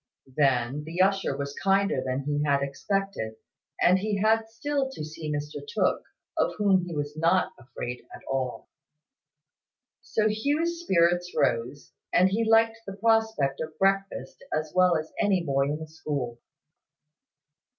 Then, the usher was kinder than he had expected; and he had still to see Mr Tooke, of whom he was not afraid at all. So Hugh's spirits rose, and he liked the prospect of breakfast as well as any boy in the school.